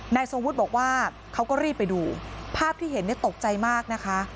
ทรงวุฒิบอกว่าเขาก็รีบไปดูภาพที่เห็นเนี่ยตกใจมากนะคะ